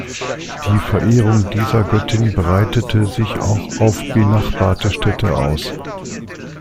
Die Verehrung dieser Göttin breitete sich auch auf benachbarte Städte aus.